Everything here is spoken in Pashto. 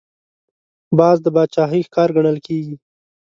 باز د باچاهۍ ښکار ګڼل کېږي